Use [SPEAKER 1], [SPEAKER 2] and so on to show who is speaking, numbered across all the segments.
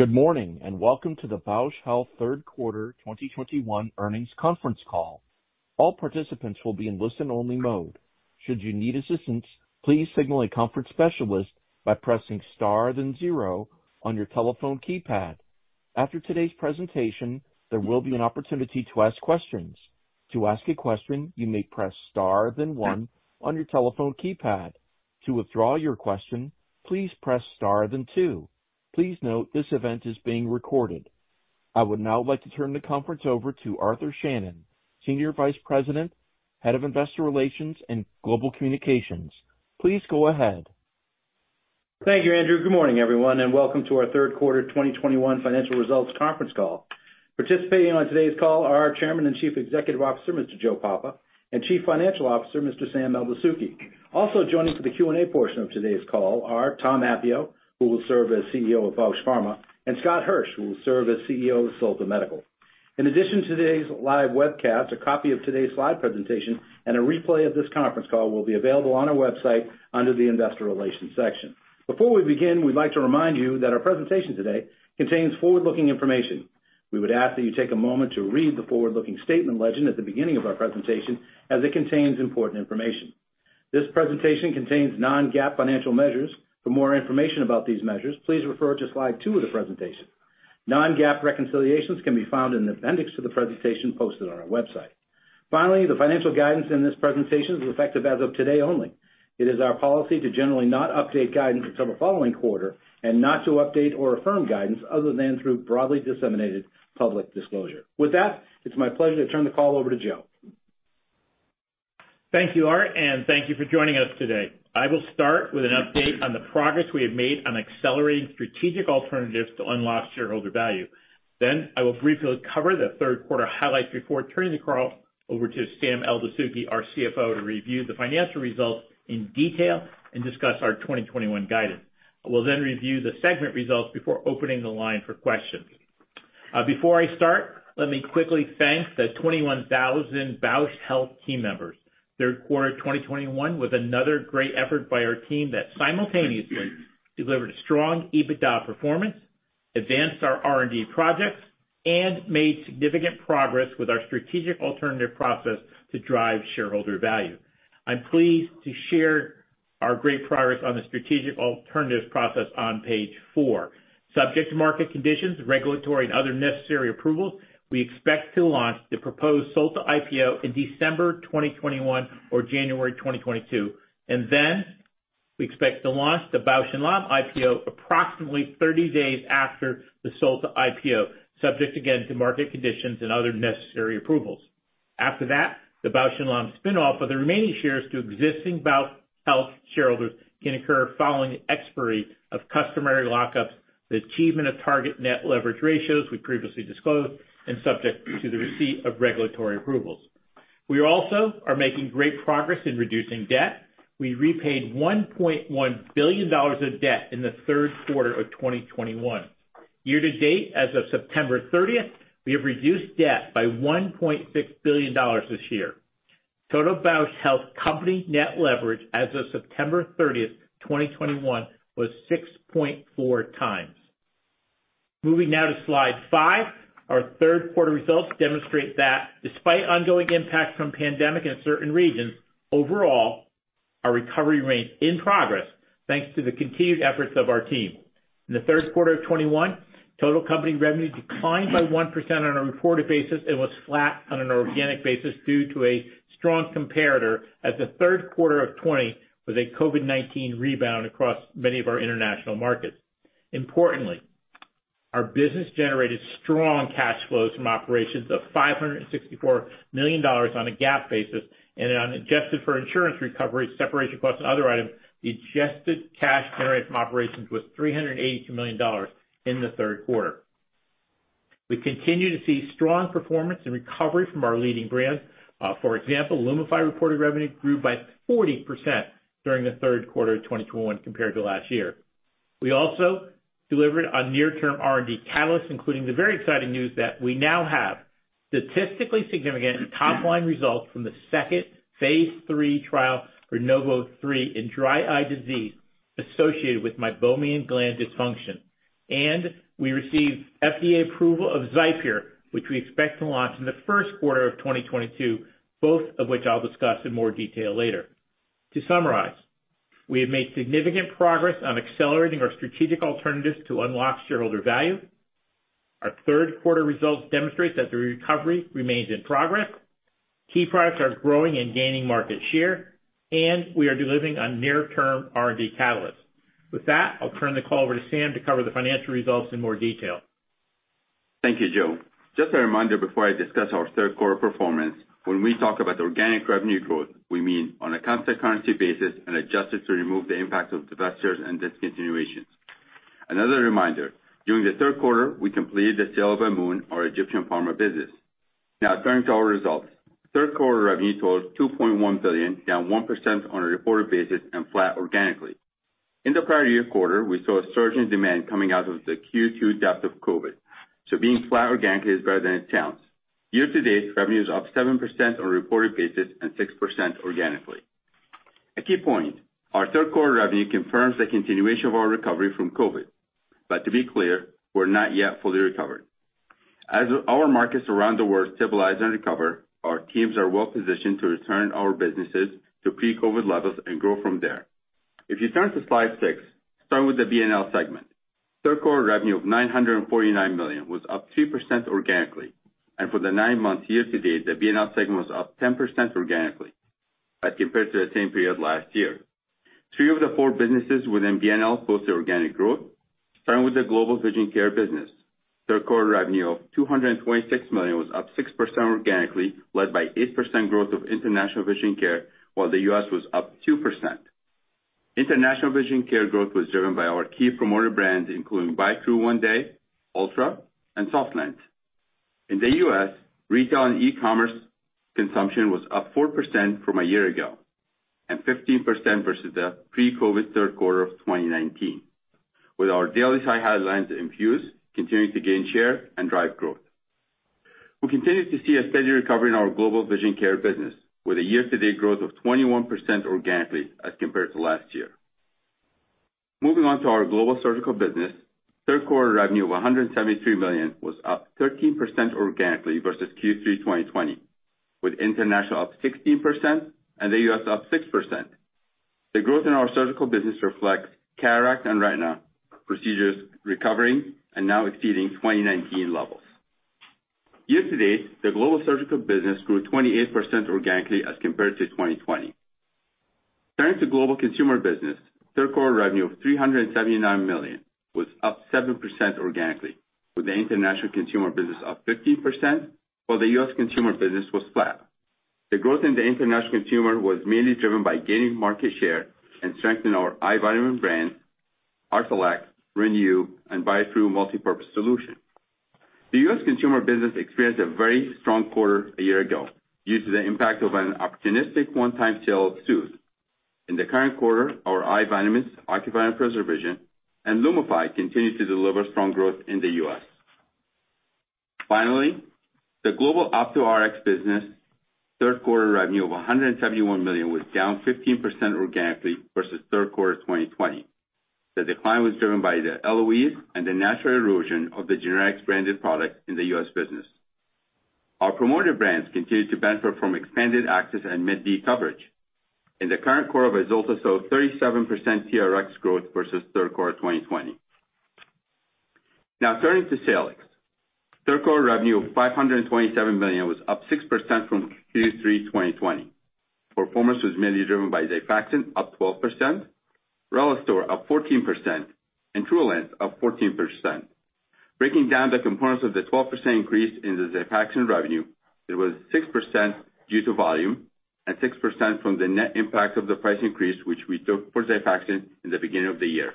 [SPEAKER 1] Good morning, and welcome to the Bausch Health Q3 2021 Earnings Conference Call. All participants will be in listen-only mode. Should you need assistance, please signal a conference specialist by pressing star then zero on your telephone keypad. After today's presentation, there will be an opportunity to ask questions. To ask a question, you may press star then one on your telephone keypad. To withdraw your question, please press star then two. Please note this event is being recorded. I would now like to turn the conference over to Arthur Shannon, Senior Vice President, Head of Investor Relations and Global Communications. Please go ahead.
[SPEAKER 2] Thank you, Andrew. Good morning, everyone, and welcome to our Q3 2021 Financial Results Conference Call. Participating on today's call are our Chairman and Chief Executive Officer, Mr. Joe Papa, and Chief Financial Officer, Mr. Sam Eldessouky. Also joining for the Q&A portion of today's call are Tom Appio, who will serve as CEO of Bausch Pharma, and Scott Hirsch, who will serve as CEO of Solta Medical. In addition to today's live webcast, a copy of today's live presentation and a replay of this conference call will be available on our website under the Investor Relations section. Before we begin, we'd like to remind you that our presentation today contains forward-looking information. We would ask that you take a moment to read the forward-looking statement legend at the beginning of our presentation as it contains important information. This presentation contains non-GAAP financial measures. For more information about these measures, please refer to Slide 2 of the presentation. Non-GAAP reconciliations can be found in the appendix to the presentation posted on our website. Finally, the financial guidance in this presentation is effective as of today only. It is our policy to generally not update guidance until the following quarter and not to update or affirm guidance other than through broadly disseminated public disclosure. With that, it's my pleasure to turn the call over to Joe.
[SPEAKER 3] Thank you, Art, and thank you for joining us today. I will start with an update on the progress we have made on accelerating strategic alternatives to unlock shareholder value. Then I will briefly cover the Q3 highlights before turning the call over to Sam Eldessouky, our CFO, to review the financial results in detail and discuss our 2021 guidance. I will then review the segment results before opening the line for questions. Before I start, let me quickly thank the 21,000 Bausch Health team members. Q3 2021 was another great effort by our team that simultaneously delivered a strong EBITDA performance, advanced our R&D projects, and made significant progress with our strategic alternative process to drive shareholder value. I'm pleased to share our great progress on the strategic alternatives process on page four. Subject to market conditions, regulatory and other necessary approvals, we expect to launch the proposed Solta IPO in December 2021 or January 2022, and then we expect to launch the Bausch + Lomb IPO approximately 30 days after the Solta IPO, subject again to market conditions and other necessary approvals. After that, the Bausch + Lomb spin-off of the remaining shares to existing Bausch Health shareholders can occur following the expiry of customary lockups, the achievement of target net leverage ratios we previously disclosed, and subject to the receipt of regulatory approvals. We also are making great progress in reducing debt. We repaid $1.1 billion of debt in the Q3 of 2021. Year-to-date, as of September 30th, we have reduced debt by $1.6 billion this year. Total Bausch Health company net leverage as of September 30th, 2021 was 6.4 times. Moving now to Slide 5. Our Q3 results demonstrate that despite ongoing impacts from pandemic in certain regions, overall, our recovery remains in progress, thanks to the continued efforts of our team. In the Q3 of 2021, total company revenue declined by 1% on a reported basis and was flat on an organic basis due to a strong comparator as the Q3 of 2020 was a COVID-19 rebound across many of our international markets. Importantly, our business generated strong cash flows from operations of $564 million on a GAAP basis and, on an adjusted for insurance recovery, separation costs and other items, the adjusted cash generated from operations was $382 million in the Q3. We continue to see strong performance and recovery from our leading brands. For example, LUMIFY reported revenue grew by 40% during the Q3 of 2021 compared to last year. We also delivered on near-term R&D catalysts, including the very exciting news that we now have statistically significant top-line results from the second phase III trial for NOV03 in dry eye disease associated with Meibomian Gland Dysfunction. We received FDA approval of XIPERE, which we expect to launch in the Q1 of 2022, both of which I'll discuss in more detail later. To summarize, we have made significant progress on accelerating our strategic alternatives to unlock shareholder value. Our Q3 results demonstrate that the recovery remains in progress. Key products are growing and gaining market share, and we are delivering on near-term R&D catalysts. With that, I'll turn the call over to Sam to cover the financial results in more detail.
[SPEAKER 4] Thank you, Joe. Just a reminder before I discuss our Q3 performance. When we talk about organic revenue growth, we mean on a constant currency basis and adjusted to remove the impact of divestitures and discontinuations. Another reminder, during the Q3, we completed the sale of Amoun, our Egyptian pharma business. Now turning to our results. Q3 revenue totaled $2.1 billion, down 1% on a reported basis and flat organically. In the prior year quarter, we saw a surge in demand coming out of the Q2 depth of COVID-19. Being flat organically is better than it sounds. Year-to-date, revenue is up 7% on a reported basis and 6% organically. A key point, our Q3 revenue confirms the continuation of our recovery from COVID. To be clear, we're not yet fully recovered. As our markets around the world stabilize and recover, our teams are well-positioned to return our businesses to pre-COVID levels and grow from there. If you turn to Slide 6, starting with the B+L segment. Q3 revenue of $949 million was up 2% organically, and for the nine months year-to-date, the B+L segment was up 10% organically as compared to the same period last year. Three of the four businesses within B+L posted organic growth. Starting with the Global Vision Care business, Q3 revenue of $226 million was up 6% organically, led by 8% growth of International Vision Care, while the U.S. was up 2%. International Vision Care growth was driven by our key premium brands, including Biotrue ONEday, ULTRA, and SofLens. In the U.S., retail and e-commerce consumption was up 4% from a year ago, and 15% versus the pre-COVID Q3 of 2019. With our daily SiHy lens INFUSE continuing to gain share and drive growth. We continue to see a steady recovery in our global vision care business with a year-to-date growth of 21% organically as compared to last year. Moving on to our global surgical business, Q3 revenue of $173 million was up 13% organically versus Q3 2020, with international up 16% and the U.S. up 6%. The growth in our surgical business reflects cataract and retina procedures recovering and now exceeding 2019 levels. Year-to-date, the global surgical business grew 28% organically as compared to 2020. Turning to global consumer business, Q3 revenue of $379 million was up 7% organically, with the international consumer business up 15%, while the U.S. consumer business was flat. The growth in the international consumer was mainly driven by gaining market share and strengthening our eye vitamin brand, Artelac, Renu, and Biotrue Multi-Purpose Solution. The U.S. consumer business experienced a very strong quarter a year ago, due to the impact of an opportunistic one-time sale of Soothe. In the current quarter, our eye vitamins, Ocuvite, PreserVision, and LUMIFY continued to deliver strong growth in the U.S. Finally, the global Ophtho Rx business Q3 revenue of $171 million was down 15% organically versus Q3 of 2020. The decline was driven by the LOEs and the natural erosion of the generics branded product in the U.S. business. Our promoter brands continued to benefit from expanded access and Med-D coverage. In the current quarter, VYZULTA saw 37% TRx growth versus Q3 2020. Now turning to Salix. Q3 revenue of $527 million was up 6% from Q3 2020. Performance was mainly driven by XIFAXAN, up 12%, RELISTOR, up 14%, and TRULANCE, up 14%. Breaking down the components of the 12% increase in the XIFAXAN revenue, it was 6% due to volume and 6% from the net impact of the price increase, which we took for XIFAXAN in the beginning of the year.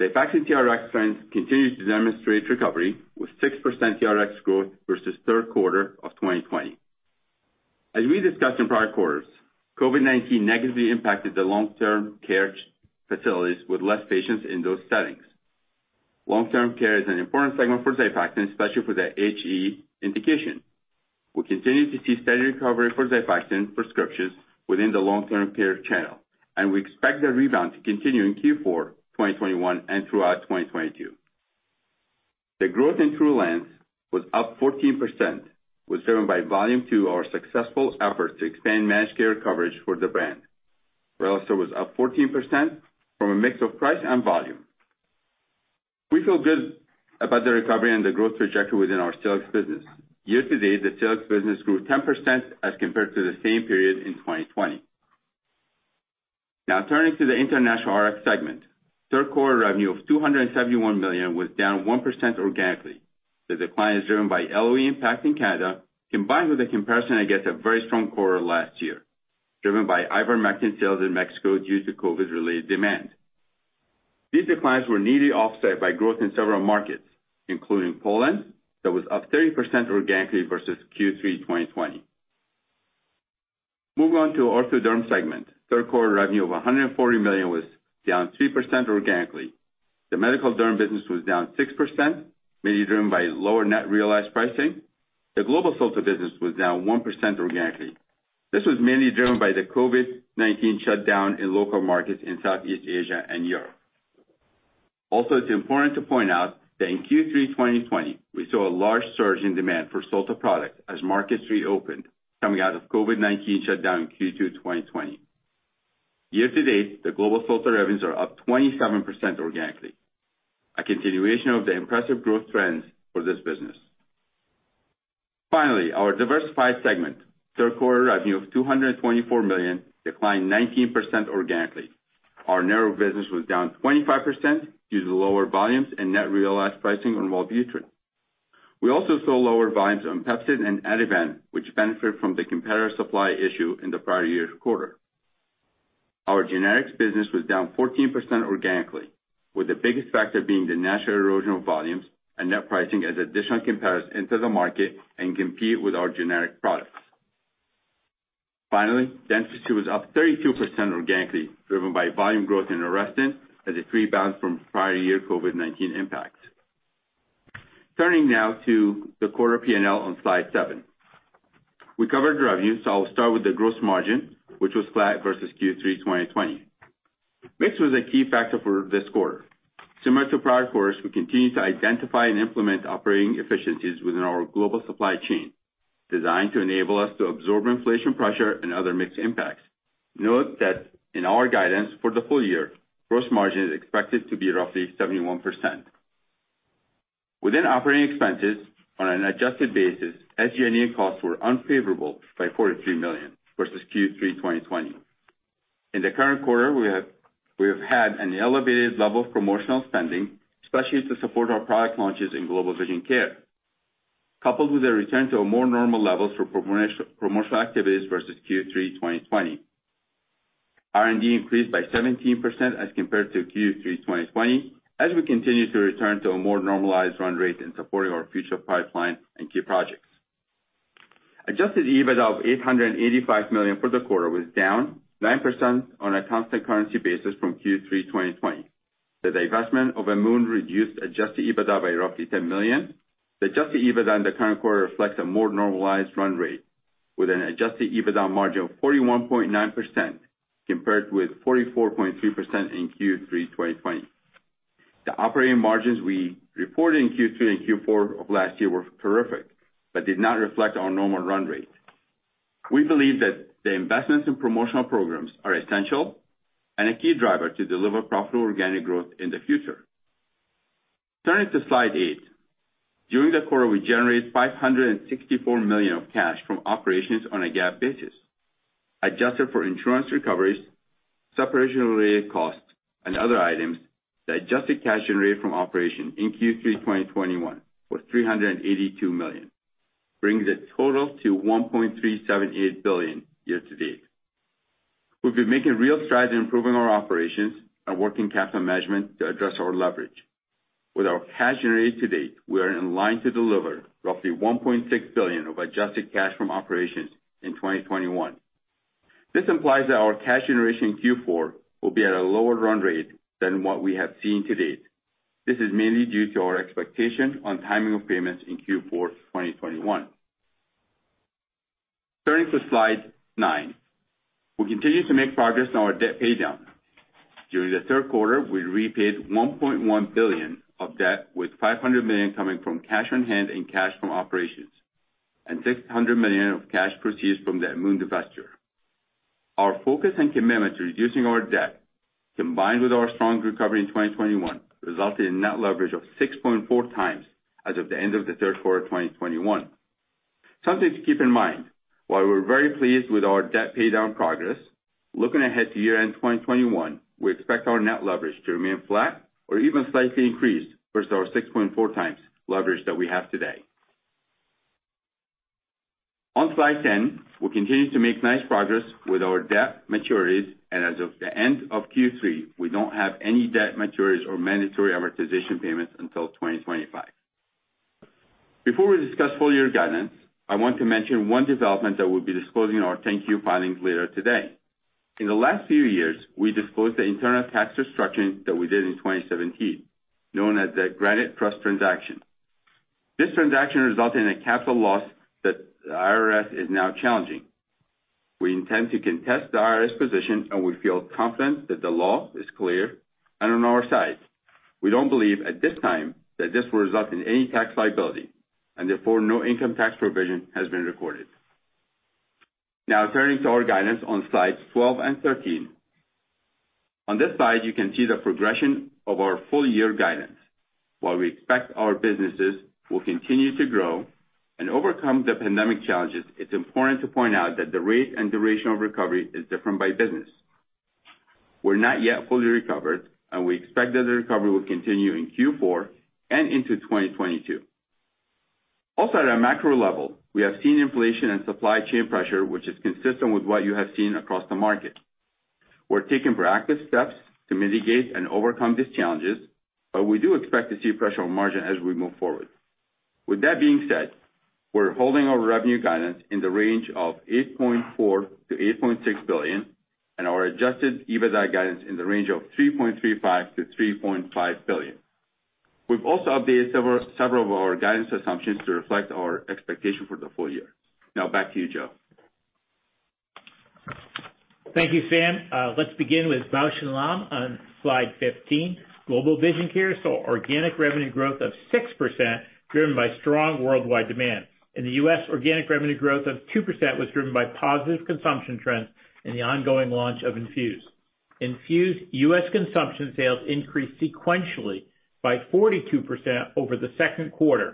[SPEAKER 4] XIFAXAN TRx trends continued to demonstrate recovery with 6% TRx growth versus Q3 2020. As we discussed in prior quarters, COVID-19 negatively impacted the long-term care facilities with less patients in those settings. Long-term care is an important segment for XIFAXAN, especially for the HE indication. We continue to see steady recovery for XIFAXAN prescriptions within the long-term care channel, and we expect the rebound to continue in Q4, 2021 and throughout 2022. The growth in TRULANCE was up 14%, driven by volume due to our successful effort to expand managed care coverage for the brand. RELISTOR was up 14% from a mix of price and volume. We feel good about the recovery and the growth trajectory within our Salix business. Year-to-date, the Salix business grew 10% as compared to the same period in 2020. Now turning to the International Rx segment. Q3 revenue of $271 million was down 1% organically. The decline is driven by LOE impact in Canada, combined with the comparison against a very strong quarter last year, driven by ivermectin sales in Mexico due to COVID-related demand. These declines were neatly offset by growth in several markets, including Poland, that was up 30% organically versus Q3 2020. Moving on to Ortho Dermatologics segment. Q3 revenue of $140 million was down 3% organically. The medical derm business was down 6%, mainly driven by lower net realized pricing. The Global Solta business was down 1% organically. This was mainly driven by the COVID-19 shutdown in local markets in Southeast Asia and Europe. Also, it's important to point out that in Q3 2020, we saw a large surge in demand for Solta products as markets reopened coming out of COVID-19 shutdown in Q2 2020. Year-to-date, the global Solta revenues are up 27% organically, a continuation of the impressive growth trends for this business. Finally, our diversified segment. Q3 revenue of $224 million declined 19% organically. Our neuro business was down 25% due to lower volumes and net realized pricing on Wellbutrin. We also saw lower volumes on PEPCID and Ativan, which benefit from the competitor supply issue in the prior year's quarter. Our generics business was down 14% organically, with the biggest factor being the natural erosion of volumes and net pricing as additional competitors enter the market and compete with our generic products. Finally, Dentistry was up 32% organically, driven by volume growth in ARESTIN as it rebounds from prior year COVID-19 impacts. Turning now to the quarter P&L on Slide 7. We covered revenue, so I'll start with the gross margin, which was flat versus Q3 2020. Mix was a key factor for this quarter. Similar to prior quarters, we continue to identify and implement operating efficiencies within our global supply chain designed to enable us to absorb inflation pressure and other mixed impacts. Note that in our guidance for the FY, gross margin is expected to be roughly 71%. Within operating expenses on an adjusted basis, SG&A costs were unfavorable by $43 million versus Q3 2020. In the current quarter, we have had an elevated level of promotional spending, especially to support our product launches in Global Vision Care, coupled with a return to a more normal levels for promotional activities versus Q3 2020. R&D increased by 17% as compared to Q3 2020 as we continue to return to a more normalized run rate in supporting our future pipeline and key projects. Adjusted EBITDA of $885 million for the quarter was down 9% on a constant currency basis from Q3 2020. The divestment of Amoun reduced adjusted EBITDA by roughly $10 million. The adjusted EBITDA in the current quarter reflects a more normalized run rate with an adjusted EBITDA margin of 41.9% compared with 44.3% in Q3 2020. The operating margins we reported in Q3 and Q4 of last year were terrific but did not reflect our normal run rate. We believe that the investments in promotional programs are essential and a key driver to deliver profitable organic growth in the future. Turning to Slide 8. During the quarter, we generated $564 million of cash from operations on a GAAP basis. Adjusted for insurance recoveries, separation-related costs, and other items, the adjusted cash generated from operations in Q3 2021 was $382 million, bringing the total to $1.378 billion year-to-date. We've been making real strides in improving our operations and working capital management to address our leverage. With our cash generated to date, we are in line to deliver roughly $1.6 billion of adjusted cash from operations in 2021. This implies that our cash generation in Q4 will be at a lower run rate than what we have seen to date. This is mainly due to our expectation on timing of payments in Q4 2021. Turning to Slide 9. We continue to make progress on our debt pay down. During the Q3, we repaid $1.1 billion of debt, with $500 million coming from cash on hand and cash from operations, and $600 million of cash proceeds from the Amoun divestiture. Our focus and commitment to reducing our debt, combined with our strong recovery in 2021, resulted in net leverage of 6.4x as of the end of the Q3 2021. Something to keep in mind, while we're very pleased with our debt paydown progress, looking ahead to year-end 2021, we expect our net leverage to remain flat or even slightly increased versus our 6.4x leverage that we have today. On Slide 10, we continue to make nice progress with our debt maturities, and as of the end of Q3, we don't have any debt maturities or mandatory amortization payments until 2025. Before we discuss FY guidance, I want to mention one development that we'll be disclosing in our 10-Q filings later today. In the last few years, we disclosed the internal tax restructuring that we did in 2017, known as the Granite Trust transaction. This transaction resulted in a capital loss that the IRS is now challenging. We intend to contest the IRS position, and we feel confident that the law is clear and on our side. We don't believe at this time that this will result in any tax liability, and therefore, no income tax provision has been recorded. Now turning to our guidance on Slides 12 and 13. On this slide, you can see the progression of our FY guidance. While we expect our businesses will continue to grow and overcome the pandemic challenges, it's important to point out that the rate and duration of recovery is different by business. We're not yet fully recovered, and we expect that the recovery will continue in Q4 and into 2022. Also at a macro level, we have seen inflation and supply chain pressure, which is consistent with what you have seen across the market. We're taking proactive steps to mitigate and overcome these challenges, but we do expect to see pressure on margin as we move forward. With that being said, we're holding our revenue guidance in the range of $8.4 billion-$8.6 billion and our adjusted EBITDA guidance in the range of $3.35 billion-$3.5 billion. We've also updated several of our guidance assumptions to reflect our expectation for the FY. Now back to you, Joe.
[SPEAKER 3] Thank you, Sam. Let's begin with Bausch + Lomb on Slide 15. Global Vision Care saw organic revenue growth of 6% driven by strong worldwide demand. In the U.S., organic revenue growth of 2% was driven by positive consumption trends and the ongoing launch of INFUSE. INFUSE U.S. consumption sales increased sequentially by 42% over the Q2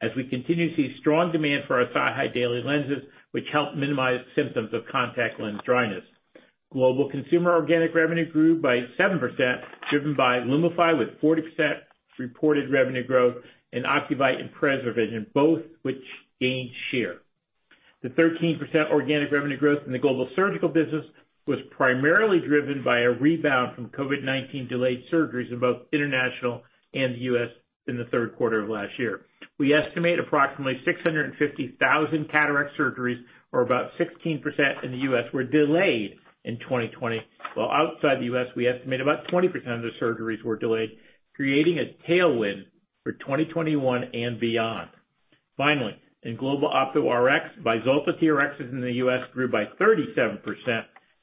[SPEAKER 3] as we continue to see strong demand for our SiHy daily lenses, which help minimize symptoms of contact lens dryness. Global Consumer organic revenue grew by 7%, driven by LUMIFY with 40% reported revenue growth and Ocuvite and PreserVision, both which gained share. The 13% organic revenue growth in the global surgical business was primarily driven by a rebound from COVID-19 delayed surgeries in both international and U.S. in the Q3 of last year. We estimate approximately 650,000 cataract surgeries, or about 16% in the U.S., were delayed in 2020, while outside the U.S., we estimate about 20% of the surgeries were delayed, creating a tailwind for 2021 and beyond. Finally, in global Ophtho Rx, VYZULTA TRxs in the U.S. grew by 37%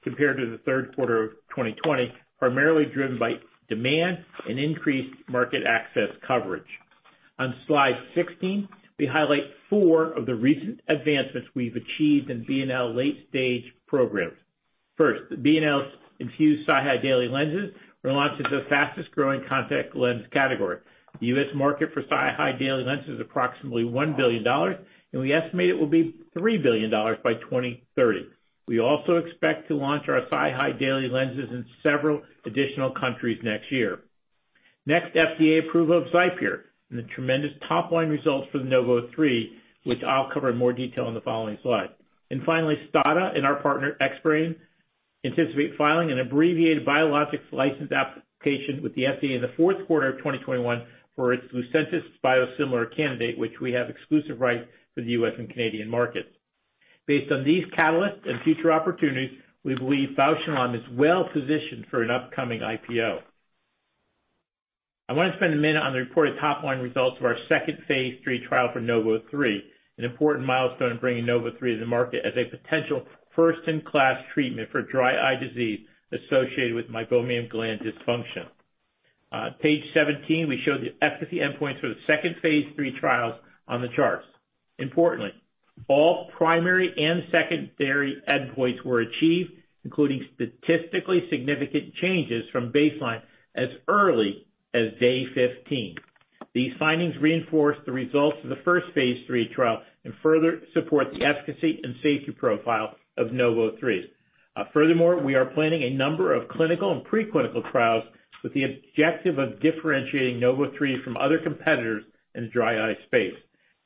[SPEAKER 3] compared to the Q3 of 2020, primarily driven by demand and increased market access coverage. On Slide 16, we highlight four of the recent advancements we've achieved in B+L late-stage programs. First, B+L's INFUSE SiHy daily lenses were launched as the fastest growing contact lens category. The U.S. market for SiHy daily lenses is approximately $1 billion, and we estimate it will be $3 billion by 2030. We also expect to launch our SiHy daily lenses in several additional countries next year. Next, FDA approval of XIPERE and the tremendous top-line results for the NOV03, which I'll cover in more detail in the following slide. Finally, STADA and our partner, Xbrane, anticipate filing an abbreviated biologics license application with the FDA in the Q4 of 2021 for its Lucentis Biosimilar candidate, which we have exclusive rights for the U.S. and Canadian markets. Based on these catalysts and future opportunities, we believe Bausch + Lomb is well-positioned for an upcoming IPO. I want to spend a minute on the reported top-line results of our second phase III trial for NOV03, an important milestone in bringing NOV03 to the market as a potential first-in-class treatment for dry eye disease associated with Meibomian Gland Dysfunction. Page 17, we show the efficacy endpoints for the second phase III trials on the charts. Importantly, all primary and secondary endpoints were achieved, including statistically significant changes from baseline as early as day 15. These findings reinforce the results of the first phase III trial and further support the efficacy and safety profile of NOV03. Furthermore, we are planning a number of clinical and pre-clinical trials with the objective of differentiating NOV03 from other competitors in the dry eye space.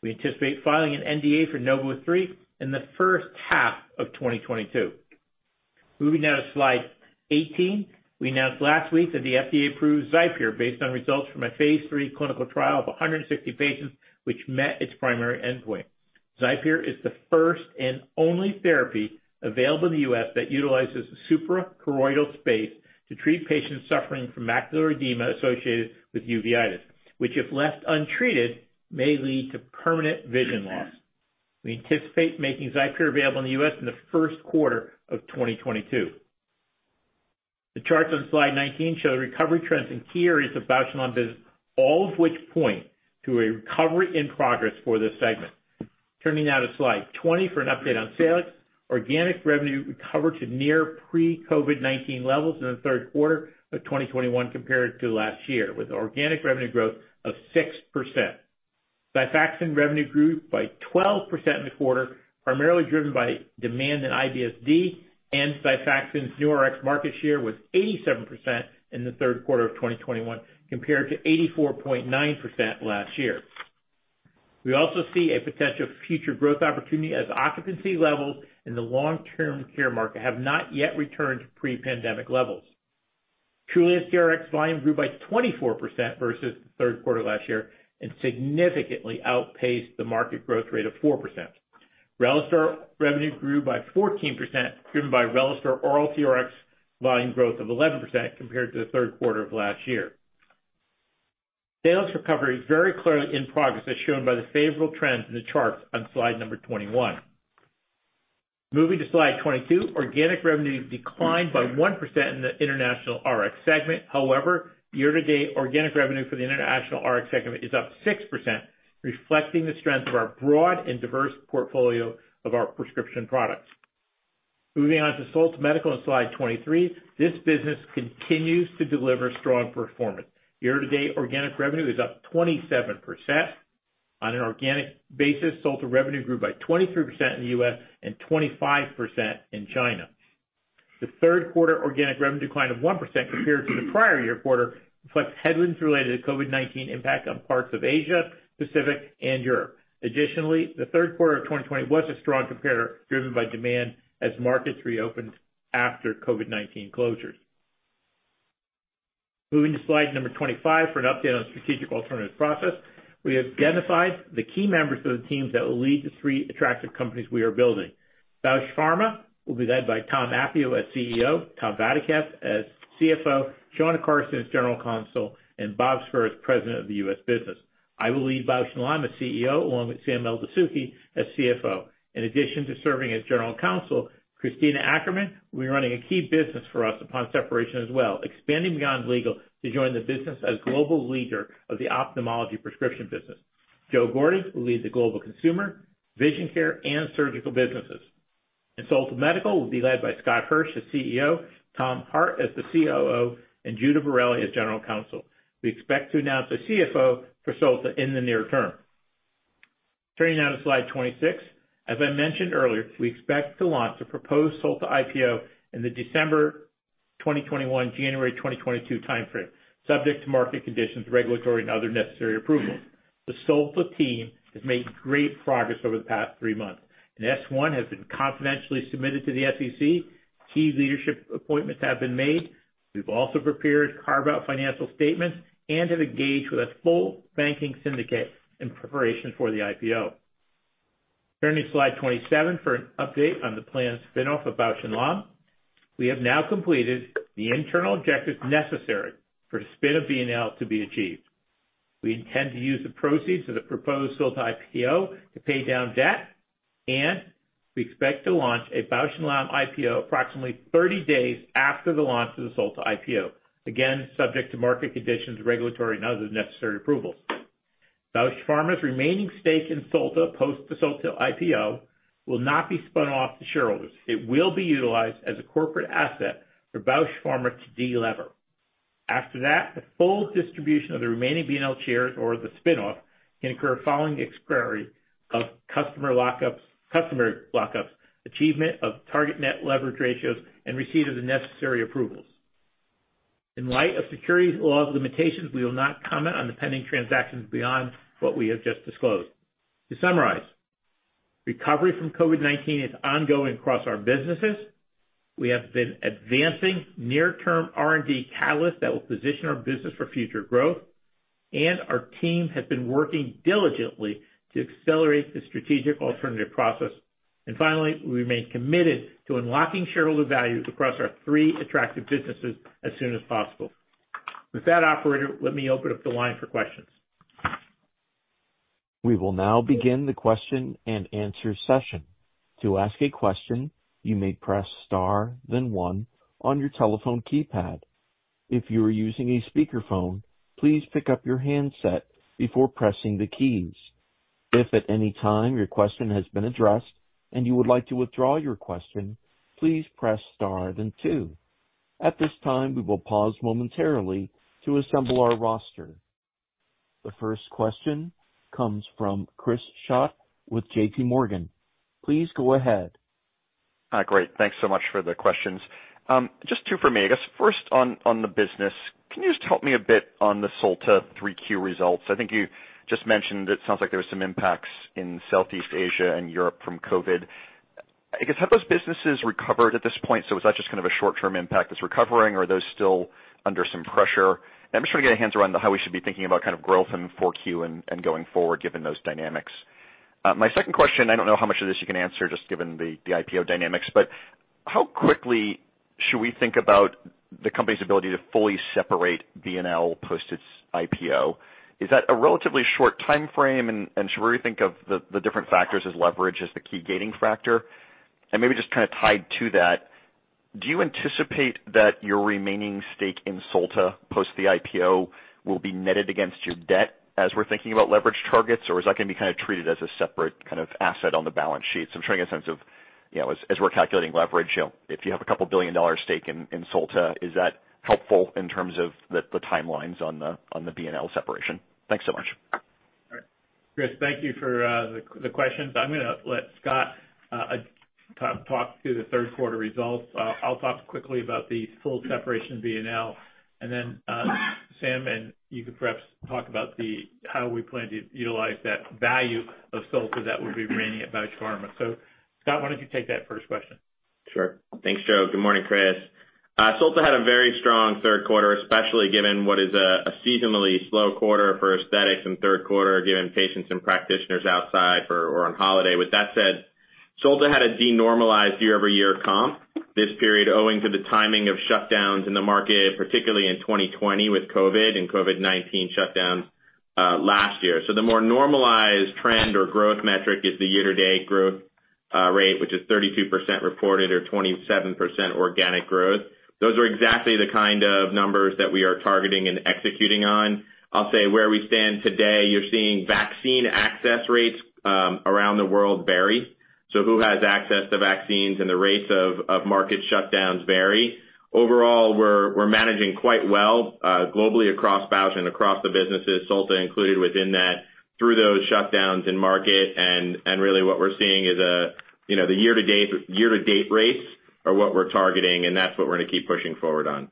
[SPEAKER 3] We anticipate filing an NDA for NOV03 in the H1 of 2022. Moving now to slide 18. We announced last week that the FDA approved XIPERE based on results from a phase III clinical trial of 160 patients, which met its primary endpoint. XIPERE is the first and only therapy available in the U.S. that utilizes the suprachoroidal space to treat patients suffering from macular edema associated with uveitis, which if left untreated, may lead to permanent vision loss. We anticipate making XIPERE available in the U.S. in the Q1 of 2022. The charts on Slide 19 show recovery trends in key areas of Bausch + Lomb business, all of which point to a recovery in progress for this segment. Turning now to Slide 20 for an update on sales. Organic revenue recovered to near pre-COVID-19 levels in the Q3 of 2021 compared to last year, with organic revenue growth of 6%. XIFAXAN revenue grew by 12% in the quarter, primarily driven by demand in IBS-D and XIFAXAN's New Rx market share was 87% in the Q3 of 2021 compared to 84.9% last year. We also see a potential future growth opportunity as occupancy levels in the long-term care market have not yet returned to pre-pandemic levels. TRULANCE TRx volume grew by 24% versus the Q3 last year and significantly outpaced the market growth rate of 4%. RELISTOR revenue grew by 14%, driven by RELISTOR oral TRx volume growth of 11% compared to the Q3 of last year. Sales recovery is very clearly in progress as shown by the favorable trends in the charts on Slide 21. Moving to Slide 22. Organic revenue declined by 1% in the International Rx segment. However, year-to-date organic revenue for the International Rx segment is up 6%, reflecting the strength of our broad and diverse portfolio of our prescription products. Moving on to Solta Medical on Slide 23. This business continues to deliver strong performance. Year-to-date organic revenue is up 27%. On an organic basis, Solta revenue grew by 23% in the U.S. and 25% in China. The Q3 organic revenue decline of 1% compared to the prior year quarter reflects headwinds related to COVID-19 impact on parts of Asia, Pacific, and Europe. Additionally, the Q3 of 2020 was a strong comparer driven by demand as markets reopened after COVID-19 closures. Moving to Slide number 25 for an update on strategic alternatives process. We have identified the key members of the teams that will lead the three attractive companies we are building. Bausch Pharma will be led by Tom Appio as CEO, Tom Vadaketh as CFO, Seana Carson as General Counsel, and Robert Spurr as President of the U.S. business. I will lead Bausch + Lomb as CEO, along with Sam Eldessouky as CFO. In addition to serving as General Counsel, Christina Ackermann will be running a key business for us upon separation as well, expanding beyond legal to join the business as Global Leader of the Ophthalmology Prescription Business. Joe Gordon will lead the global consumer, vision care, and surgical businesses. Solta Medical will be led by Scott Hirsch as CEO, Tom Hart as the COO, and Judah Bareli as General Counsel. We expect to announce a CFO for Solta in the near term. Turning now to Slide 26. As I mentioned earlier, we expect to launch a proposed Solta IPO in the December 2021, January 2022 timeframe, subject to market conditions, regulatory, and other necessary approvals. The Solta team has made great progress over the past three months. An S-1 has been confidentially submitted to the SEC. Key leadership appointments have been made. We've also prepared carve-out financial statements and have engaged with a full banking syndicate in preparation for the IPO. Turning to Slide 27 for an update on the planned spin-off of Bausch + Lomb. We have now completed the internal objectives necessary for the spin of B+L to be achieved. We intend to use the proceeds of the proposed Solta IPO to pay down debt, and we expect to launch a Bausch + Lomb IPO approximately 30 days after the launch of the Solta IPO. Again, subject to market conditions, regulatory and other necessary approvals. Bausch Pharma's remaining stake in Solta post the Solta IPO will not be spun off to shareholders. It will be utilized as a corporate asset for Bausch Pharma to de-lever. After that, the full distribution of the remaining B+L shares or the spin-off can occur following the expiry of customer lockups, achievement of target net leverage ratios, and receipt of the necessary approvals. In light of securities law's limitations, we will not comment on the pending transactions beyond what we have just disclosed. To summarize, recovery from COVID-19 is ongoing across our businesses. We have been advancing near-term R&D catalysts that will position our business for future growth, and our team has been working diligently to accelerate the strategic alternative process. Finally, we remain committed to unlocking shareholder value across our three attractive businesses as soon as possible. With that, operator, let me open up the line for questions.
[SPEAKER 1] We will now begin the question and answer session. To ask a question, you may press star then one on your telephone keypad. If you are using a speakerphone, please pick up your handset before pressing the keys. If at any time your question has been addressed and you would like to withdraw your question, please press star then two. At this time, we will pause momentarily to assemble our roster. The first question comes from Chris Schott with JPMorgan. Please go ahead.
[SPEAKER 5] Hi. Great, thanks so much for the questions. Just two for me. I guess first on the business, can you just help me a bit on the Solta 3Q results? I think you just mentioned it sounds like there was some impacts in Southeast Asia and Europe from COVID. I guess, have those businesses recovered at this point? So was that just kind of a short-term impact that's recovering or are those still under some pressure? And I'm just trying to get a handle on how we should be thinking about kind of growth in 4Q and going forward given those dynamics. My second question, I don't know how much of this you can answer just given the IPO dynamics, but how quickly should we think about the company's ability to fully separate B+L post its IPO? Is that a relatively short timeframe? Should we really think of the different factors as leverage as the key gating factor? Maybe just kinda tied to that, do you anticipate that your remaining stake in Solta, post the IPO, will be netted against your debt as we're thinking about leverage targets? Or is that gonna be kinda treated as a separate kind of asset on the balance sheet? I'm trying to get a sense of, you know, as we're calculating leverage, you know, if you have a couple billion-dollar stake in Solta, is that helpful in terms of the timelines on the B+L separation? Thanks so much.
[SPEAKER 3] All right. Chris, thank you for the questions. I'm gonna let Scott talk to the Q3 results. I'll talk quickly about the full separation of B+L, and then Sam, you could perhaps talk about how we plan to utilize that value of Solta that would be remaining at Bausch Pharma. Scott, why don't you take that first question?
[SPEAKER 6] Sure. Thanks, Joe. Good morning, Chris. Solta had a very strong Q3, especially given what is a seasonally slow quarter for aesthetics in Q3, given patients and practitioners outside for or on holiday. With that said, Solta had a denormalized year-over-year comp this period, owing to the timing of shutdowns in the market, particularly in 2020 with COVID and COVID-19 shutdowns last year. The more normalized trend or growth metric is the year-to-date growth rate, which is 32% reported or 27% organic growth. Those are exactly the kind of numbers that we are targeting and executing on. I'll say where we stand today, you're seeing vaccine access rates around the world vary, so who has access to vaccines and the rates of market shutdowns vary. Overall, we're managing quite well globally across Bausch and across the businesses, Solta included within that, through those shutdowns in market and really what we're seeing is you know the year-to-date rates are what we're targeting, and that's what we're gonna keep pushing forward on.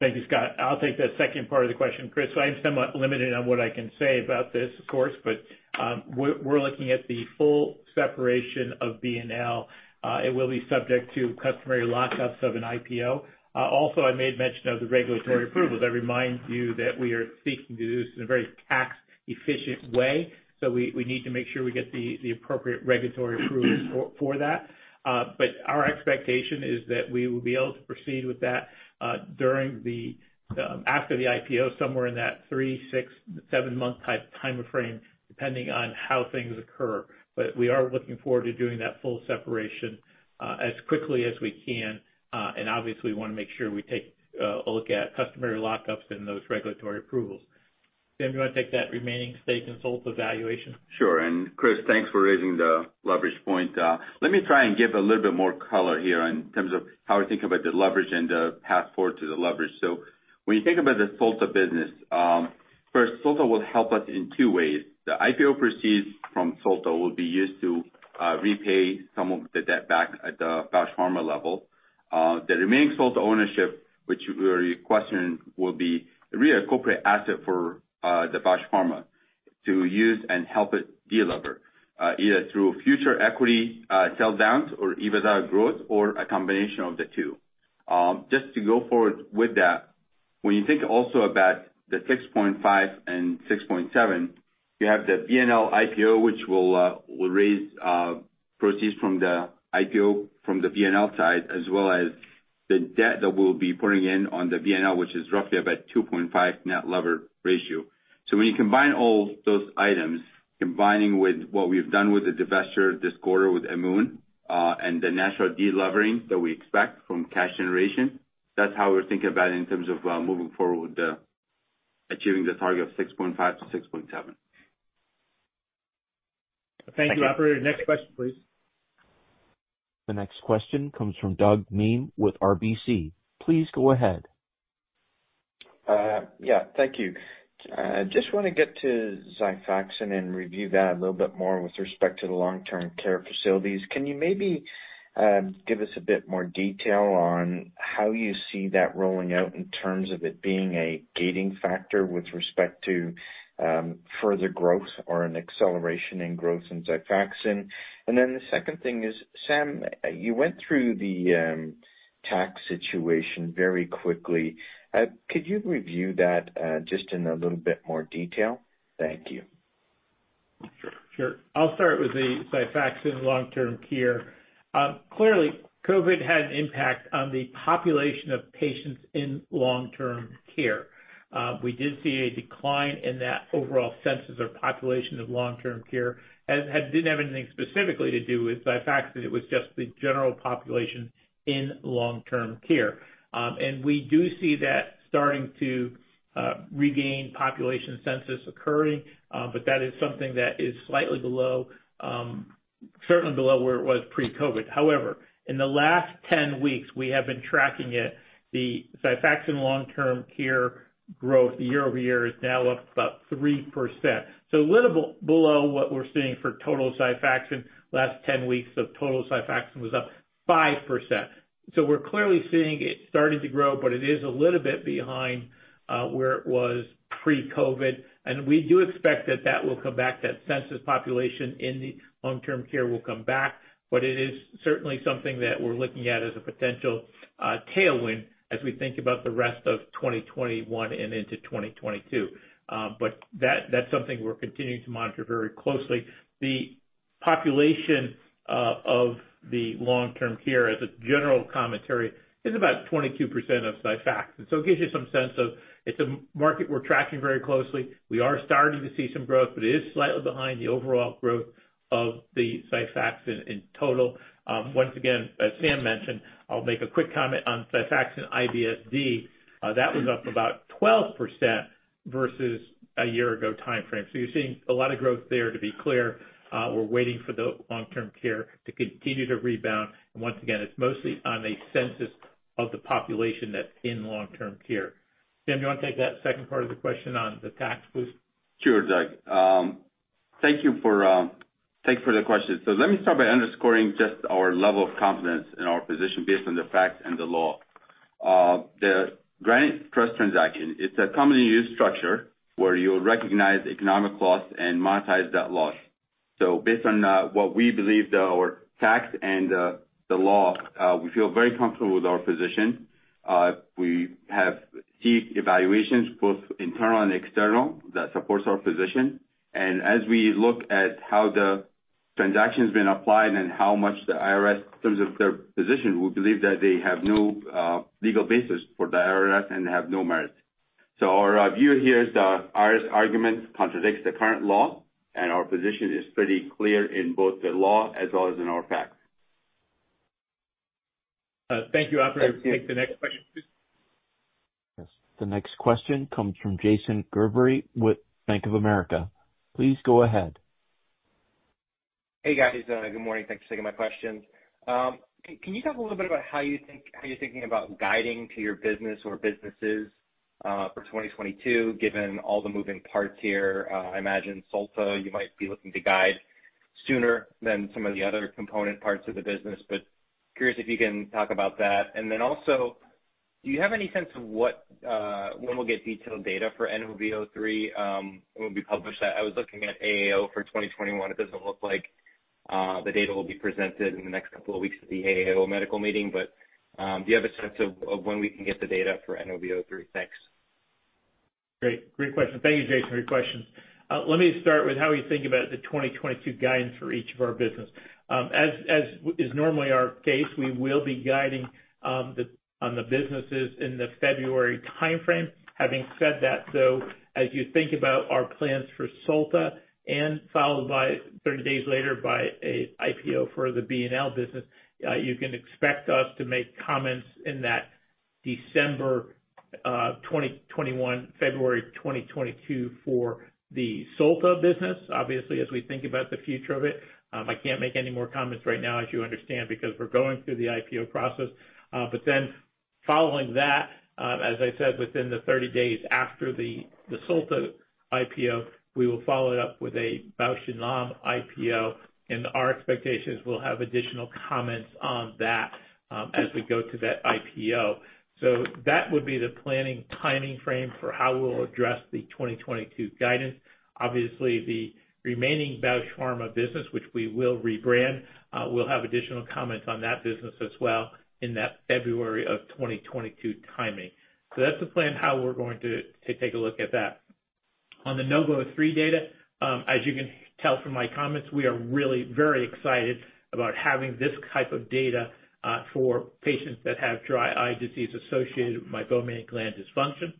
[SPEAKER 3] Thank you, Scott. I'll take the second part of the question, Chris. I'm somewhat limited on what I can say about this of course, but we're looking at the full separation of B+L. It will be subject to customary lockups of an IPO. Also, I made mention of the regulatory approvals. I remind you that we are seeking to do this in a very tax-efficient way. We need to make sure we get the appropriate regulatory approvals for that. Our expectation is that we will be able to proceed with that after the IPO, somewhere in that three to seven month type timeframe, depending on how things occur. We are looking forward to doing that full separation as quickly as we can. Obviously we wanna make sure we take a look at customary lockups and those regulatory approvals. Sam, do you wanna take that remaining stake in Solta valuation?
[SPEAKER 4] Sure. Chris, thanks for raising the leverage point. Let me try and give a little bit more color here in terms of how we think about the leverage and the path forward to the leverage. When you think about the Solta business, first, Solta will help us in two ways. The IPO proceeds from Solta will be used to repay some of the debt back at the Bausch Pharma level. The remaining Solta ownership, which you were questioning, will be really a corporate asset for the Bausch Pharma to use and help it de-lever. Either through future equity, sell-downs or EBITDA growth or a combination of the two. Just to go forward with that, when you think also about the 6.5x and 6.7x, you have the B+L IPO, which will raise proceeds from the IPO from the B+L side as well as the debt that we'll be putting in on the B+L, which is roughly about 2.5x net leverage ratio. When you combine all those items, combining with what we've done with the divestiture this quarter with Amoun, and the natural delevering that we expect from cash generation, that's how we're thinking about it in terms of moving forward with achieving the target of 6.5x-6.7x.
[SPEAKER 5] Thank you.
[SPEAKER 3] Thank you, operator. Next question, please.
[SPEAKER 1] The next question comes from Doug Miehm with RBC. Please go ahead.
[SPEAKER 7] Yeah, thank you. Just wanna get to XIFAXAN and review that a little bit more with respect to the long-term care facilities. Can you maybe give us a bit more detail on how you see that rolling out in terms of it being a gating factor with respect to further growth or an acceleration in growth in XIFAXAN? The second thing is, Sam, you went through the tax situation very quickly. Could you review that just in a little bit more detail? Thank you.
[SPEAKER 4] Sure.
[SPEAKER 3] Sure. I'll start with the XIFAXAN long-term care. Clearly, COVID had an impact on the population of patients in long-term care. We did see a decline in that overall census or population of long-term care, and it didn't have anything specifically to do with XIFAXAN. It was just the general population in long-term care. We do see that starting to regain population census occurring, but that is something that is slightly below, certainly below where it was pre-COVID. However, in the last 10 weeks, we have been tracking it. The XIFAXAN long-term care growth year-over-year is now up about 3%. A little below what we're seeing for total XIFAXAN. Last 10 weeks of total XIFAXAN was up 5%. We're clearly seeing it starting to grow, but it is a little bit behind where it was pre-COVID-19. We do expect that will come back, that census population in the long-term care will come back. It is certainly something that we're looking at as a potential tailwind as we think about the rest of 2021 and into 2022. That's something we're continuing to monitor very closely. The population of the long-term care as a general commentary is about 22% of XIFAXAN. It gives you some sense of it's a market we're tracking very closely. We are starting to see some growth, but it is slightly behind the overall growth of the XIFAXAN in total. Once again, as Sam mentioned, I'll make a quick comment on XIFAXAN IBS-D. That was up about 12% versus a year-ago timeframe. You're seeing a lot of growth there, to be clear. We're waiting for the long-term care to continue to rebound. Once again, it's mostly on a census of the population that's in long-term care. Sam, do you wanna take that second part of the question on the tax boost?
[SPEAKER 4] Sure, Doug. Thank you for the question. Let me start by underscoring just our level of confidence in our position based on the facts and the law. The Granite Trust transaction, it's a commonly used structure where you recognize economic loss and monetize that loss. Based on what we believe our tax and the law, we feel very comfortable with our position. We have sought evaluations, both internal and external, that support our position. As we look at how the transaction's been applied and how the IRS, in terms of their position, we believe that they have no legal basis and have no merit. Our view here is the IRS argument contradicts the current law, and our position is pretty clear in both the law as well as in our facts.
[SPEAKER 3] Thank you. Operator, take the next question, please.
[SPEAKER 1] Yes. The next question comes from Jason Gerberry with Bank of America. Please go ahead.
[SPEAKER 8] Hey, guys. Good morning. Thanks for taking my questions. Can you talk a little bit about how you're thinking about guiding to your business or businesses for 2022, given all the moving parts here? I imagine Solta, you might be looking to guide sooner than some of the other component parts of the business. Curious if you can talk about that. Then also, do you have any sense of when we'll get detailed data for NOV03, when we publish that? I was looking at AAO for 2021. It doesn't look like the data will be presented in the next couple of weeks at the AAO medical meeting. Do you have a sense of when we can get the data for NOV03? Thanks.
[SPEAKER 3] Great. Great question. Thank you, Jason, for your questions. Let me start with how we think about the 2022 guidance for each of our businesses. As is normally our case, we will be guiding on the businesses in the February timeframe. Having said that, though, as you think about our plans for Solta followed by 30 days later by an IPO for the B+L business, you can expect us to make comments in that December 2021 February 2022 for the Solta business, obviously, as we think about the future of it. I can't make any more comments right now, as you understand, because we're going through the IPO process. Following that, as I said, within the 30 days after the Solta IPO, we will follow it up with a Bausch + Lomb IPO. Our expectations, we'll have additional comments on that, as we go to that IPO. That would be the planning timing frame for how we'll address the 2022 guidance. Obviously, the remaining Bausch Pharma business, which we will rebrand, we'll have additional comments on that business as well in that February of 2022 timing. That's the plan, how we're going to take a look at that. On the NOV03 data, as you can tell from my comments, we are really very excited about having this type of data, for patients that have dry eye disease associated with Meibomian Gland Dysfunction.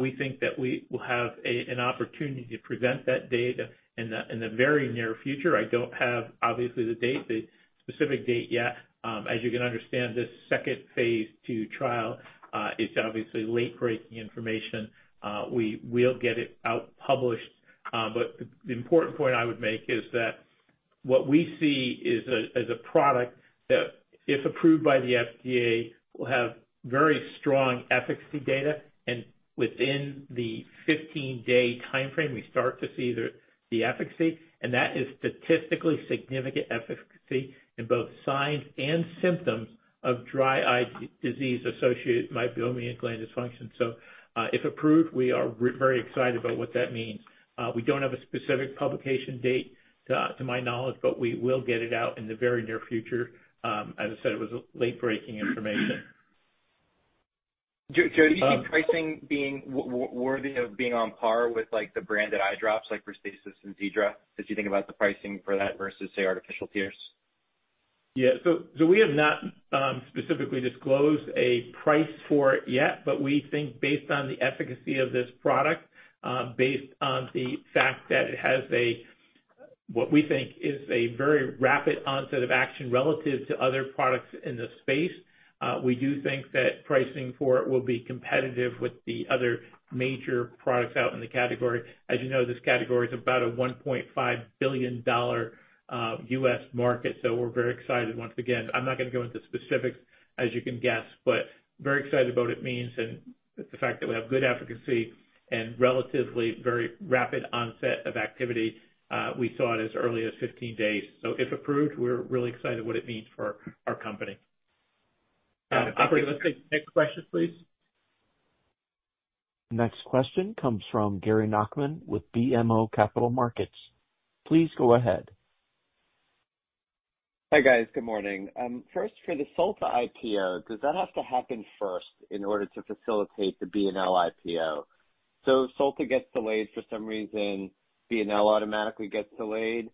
[SPEAKER 3] We think that we will have an opportunity to present that data in the very near future. I don't have, obviously, the specific date yet. As you can understand, this second phase II trial is obviously late-breaking information. We will get it out published. But the important point I would make is that what we see is a product that, if approved by the FDA, will have very strong efficacy data. Within the 15-day timeframe, we start to see the efficacy, and that is statistically significant efficacy in both signs and symptoms of dry eye disease associated Meibomian Gland Dysfunction. If approved, we are very excited about what that means. We don't have a specific publication date to my knowledge, but we will get it out in the very near future. As I said, it was late-breaking information.
[SPEAKER 8] Joe, do you see pricing being worthy of being on par with, like, the branded eye drops like RESTASIS and Xiidra, as you think about the pricing for that versus, say, artificial tears?
[SPEAKER 3] Yeah. We have not specifically disclosed a price for it yet, but we think based on the efficacy of this product, based on the fact that it has a, what we think is a very rapid onset of action relative to other products in the space, we do think that pricing for it will be competitive with the other major products out in the category. As you know, this category is about a $1.5 billion U.S. market, so we're very excited. Once again, I'm not gonna go into specifics, as you can guess, but very excited about what it means and the fact that we have good efficacy and relatively very rapid onset of activity. We saw it as early as 15 days. If approved, we're really excited what it means for our company. Operator, let's take the next question please.
[SPEAKER 1] Next question comes from Gary Nachman with BMO Capital Markets. Please go ahead.
[SPEAKER 9] Hi, guys. Good morning. First, for the Solta IPO, does that have to happen first in order to facilitate the B&L IPO? If Solta gets delayed for some reason, B&L automatically gets delayed.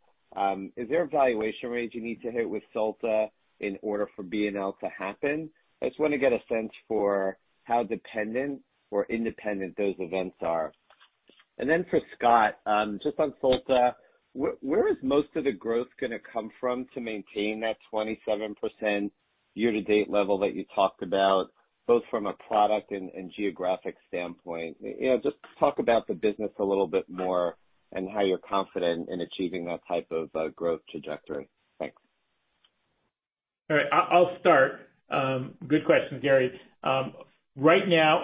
[SPEAKER 9] Is there a valuation range you need to hit with Solta in order for B&L to happen? I just wanna get a sense for how dependent or independent those events are. Then for Scott, just on Solta, where is most of the growth gonna come from to maintain that 27% year-to-date level that you talked about, both from a product and geographic standpoint? You know, just talk about the business a little bit more and how you're confident in achieving that type of growth trajectory. Thanks.
[SPEAKER 3] All right. I'll start. Good question, Gary. Right now,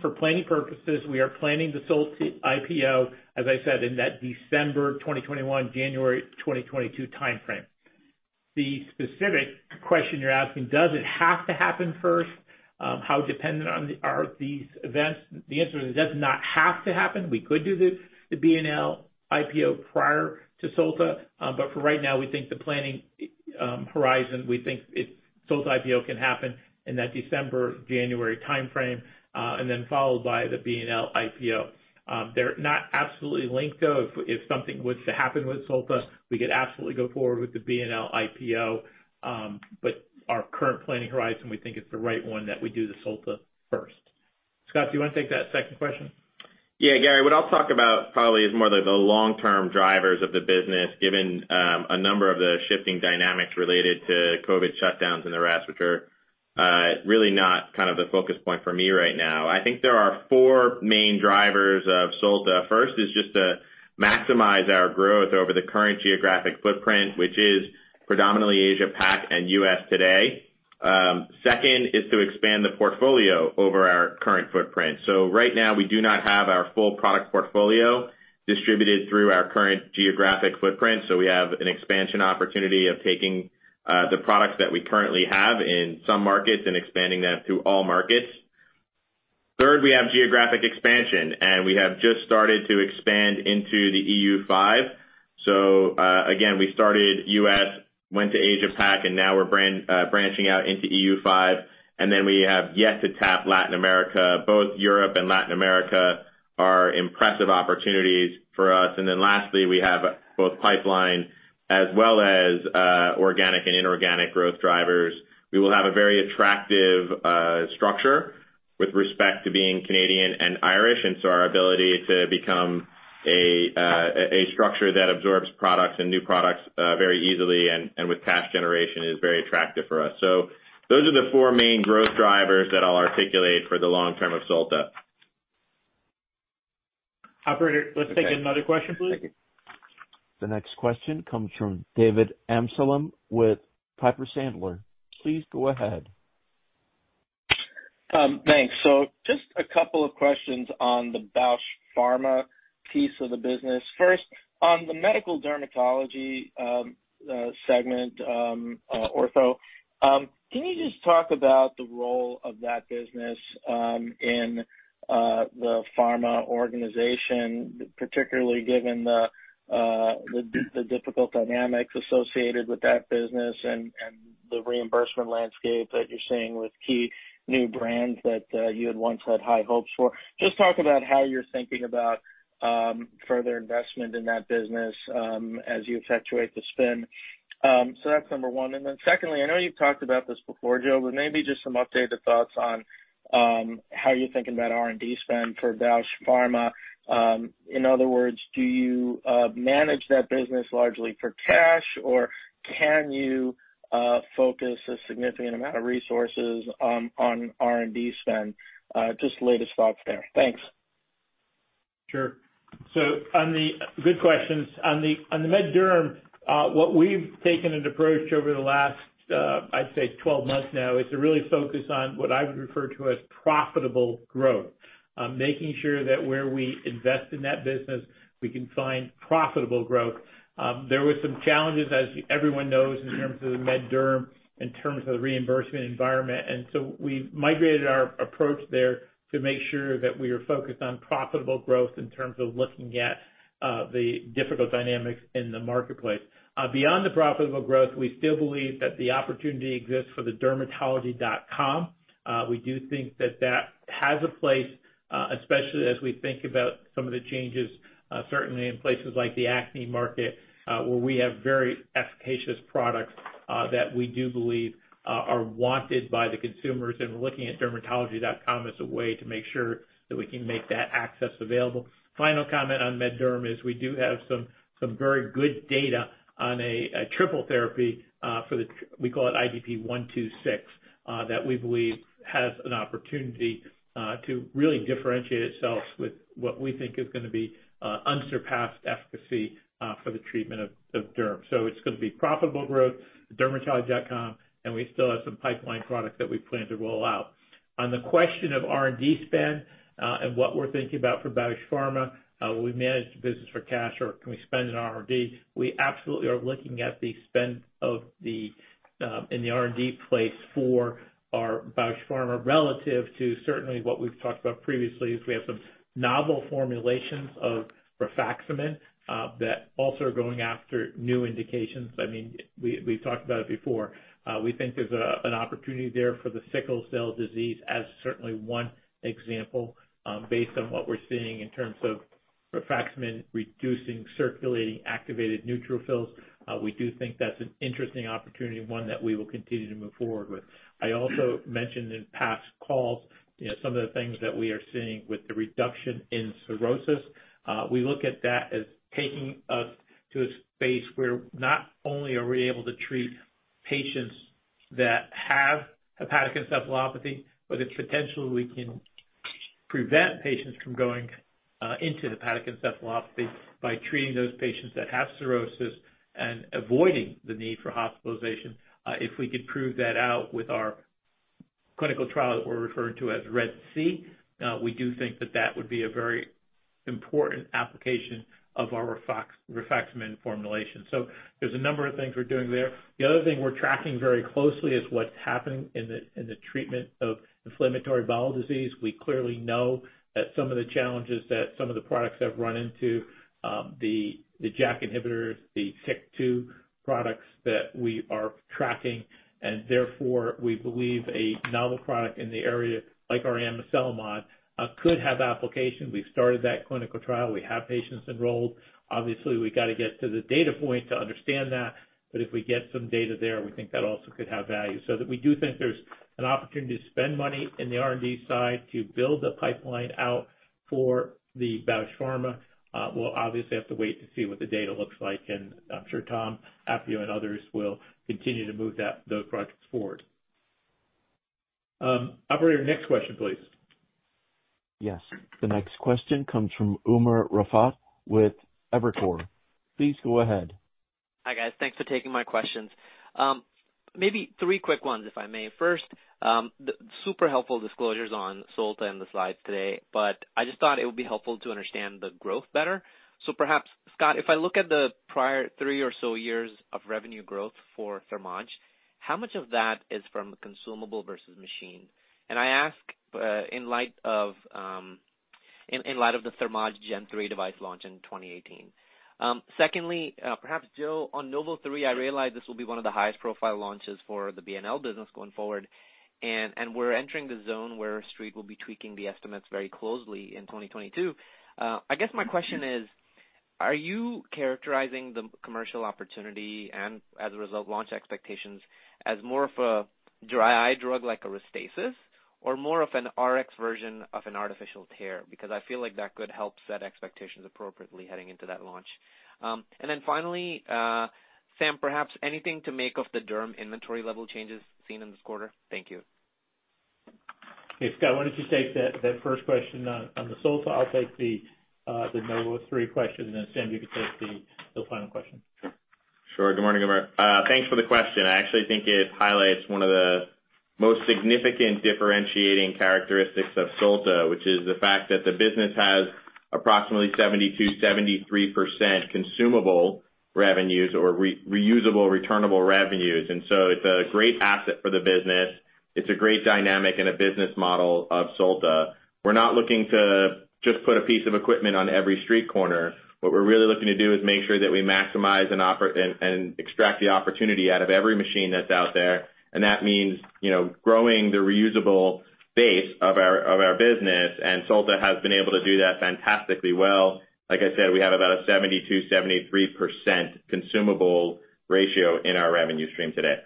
[SPEAKER 3] for planning purposes, we are planning the Solta IPO, as I said, in that December 2021, January 2022 timeframe. The specific question you're asking, does it have to happen first? How dependent are these events? The answer is, it does not have to happen. We could do the B+L IPO prior to Solta. For right now, we think the planning horizon. We think Solta IPO can happen in that December, January timeframe, and then followed by the B+L IPO. They're not absolutely linked, though. If something was to happen with Solta, we could absolutely go forward with the B+L IPO. Our current planning horizon, we think it's the right one that we do the Solta first. Scott, do you wanna take that second question?
[SPEAKER 6] Yeah. Gary, what I'll talk about probably is more the long-term drivers of the business, given a number of the shifting dynamics related to COVID shutdowns and the rest, which are really not kind of a focus point for me right now. I think there are four main drivers of Solta. First is just to maximize our growth over the current geographic footprint, which is predominantly Asia Pac and U.S. today. Second is to expand the portfolio over our current footprint. So right now we do not have our full product portfolio distributed through our current geographic footprint. So we have an expansion opportunity of taking the products that we currently have in some markets and expanding that through all markets. Third, we have geographic expansion, and we have just started to expand into the EU5. Again, we started U.S., went to Asia Pac, and now we're branching out into EU5. Then we have yet to tap Latin America. Both Europe and Latin America are impressive opportunities for us. Then lastly, we have both pipeline as well as organic and inorganic growth drivers. We will have a very attractive structure with respect to being Canadian and Irish, and so our ability to become a structure that absorbs products and new products very easily and with cash generation is very attractive for us. Those are the four main growth drivers that I'll articulate for the long term of Solta.
[SPEAKER 3] Operator, let's take another question, please.
[SPEAKER 1] The next question comes from David Amsellem with Piper Sandler. Please go ahead.
[SPEAKER 10] Thanks. Just a couple of questions on the Bausch Pharma piece of the business. First, on the medical dermatology segment, Ortho, can you just talk about the role of that business in the pharma organization, particularly given the difficult dynamics associated with that business and the reimbursement landscape that you're seeing with key new brands that you had once had high hopes for? Just talk about how you're thinking about further investment in that business as you effectuate the spin. That's number one. Secondly, I know you've talked about this before, Joe, but maybe just some updated thoughts on how you're thinking about R&D spend for Bausch Pharma. In other words, do you manage that business largely for cash, or can you focus a significant amount of resources on R&D spend? Just the latest thoughts there. Thanks.
[SPEAKER 3] Sure. Good questions. On the MedDerm, what we've taken an approach over the last, I'd say 12 months now, is to really focus on what I would refer to as profitable growth. Making sure that where we invest in that business, we can find profitable growth. There were some challenges, as everyone knows, in terms of the MedDerm, in terms of the reimbursement environment, and so we migrated our approach there to make sure that we are focused on profitable growth in terms of looking at the difficult dynamics in the marketplace. Beyond the profitable growth, we still believe that the opportunity exists for the dermatology.com. We do think that has a place, especially as we think about some of the changes, certainly in places like the acne market, where we have very efficacious products that we do believe are wanted by the consumers. We're looking at dermatology.com as a way to make sure that we can make that access available. Final comment on MedDerm is we do have some very good data on a triple therapy, we call it IDP-126, that we believe has an opportunity to really differentiate itself with what we think is gonna be unsurpassed efficacy for the treatment of derm. It's gonna be profitable growth, dermatology.com, and we still have some pipeline products that we plan to roll out. On the question of R&D spend, and what we're thinking about for Bausch Pharma, we manage the business for cash or can we spend on R&D? We absolutely are looking at the spend of the, in the R&D place for our Bausch Pharma relative to certainly what we've talked about previously, is we have some novel formulations of rifaximin that also are going after new indications. I mean, we've talked about it before. We think there's an opportunity there for the sickle cell disease as certainly one example, based on what we're seeing in terms of rifaximin reducing circulating activated neutrophils. We do think that's an interesting opportunity and one that we will continue to move forward with. I also mentioned in past calls, you know, some of the things that we are seeing with the reduction in cirrhosis. We look at that as taking us to a space where not only are we able to treat patients that have hepatic encephalopathy, but it's potentially we can prevent patients from going into hepatic encephalopathy by treating those patients that have cirrhosis and avoiding the need for hospitalization. If we could prove that out with our clinical trial that we're referring to as RED-C, we do think that that would be a very important application of our rifaximin formulation. There's a number of things we're doing there. The other thing we're tracking very closely is what's happening in the treatment of inflammatory bowel disease. We clearly know that some of the challenges that some of the products have run into, the JAK inhibitors, the S1P products that we are tracking, and therefore we believe a novel product in the area, like our Amiselimod, could have application. We've started that clinical trial. We have patients enrolled. Obviously, we gotta get to the data point to understand that, but if we get some data there, we think that also could have value. So that we do think there's an opportunity to spend money in the R&D side to build the pipeline out for the Bausch Pharma. We'll obviously have to wait to see what the data looks like, and I'm sure Tom Appio and others will continue to move that, those projects forward. Operator, next question, please.
[SPEAKER 1] Yes. The next question comes from Umer Raffat with Evercore. Please go ahead.
[SPEAKER 11] Hi, guys. Thanks for taking my questions. Maybe three quick ones, if I may. First, the super helpful disclosures on Solta and the slides today, but I just thought it would be helpful to understand the growth better. Perhaps, Scott, if I look at the prior three or so years of revenue growth for Thermage, how much of that is from consumable versus machine? And I ask, in light of the Thermage Gen 3 device launch in 2018. Secondly, perhaps Joe, on NOV03, I realize this will be one of the highest profile launches for the B+L business going forward, and we're entering the zone where Street will be tweaking the estimates very closely in 2022. I guess my question is, are you characterizing the commercial opportunity and as a result, launch expectations as more of a dry eye drug like RESTASIS or more of an Rx version of an artificial tear? Because I feel like that could help set expectations appropriately heading into that launch. Sam, perhaps anything to make of the derm inventory level changes seen in this quarter? Thank you.
[SPEAKER 3] Hey, Scott, why don't you take that first question on the Solta? I'll take the NOV03 question, and then Sam, you can take the final question.
[SPEAKER 6] Sure. Good morning, Umer. Thanks for the question. I actually think it highlights one of the most significant differentiating characteristics of Solta, which is the fact that the business has approximately 72%-73% consumable revenues or reusable returnable revenues. It's a great asset for the business. It's a great dynamic and a business model of Solta. We're not looking to just put a piece of equipment on every street corner. What we're really looking to do is make sure that we maximize and extract the opportunity out of every machine that's out there. That means, you know, growing the reusable base of our business, and Solta has been able to do that fantastically well. Like I said, we have about a 72%-73% consumable ratio in our revenue stream today.